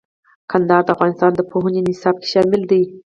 کندهار د افغانستان د پوهنې نصاب کې شامل دي.